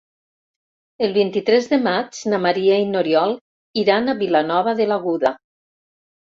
El vint-i-tres de maig na Maria i n'Oriol iran a Vilanova de l'Aguda.